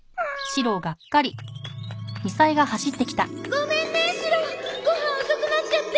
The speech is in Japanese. ごめんねシロご飯遅くなっちゃって！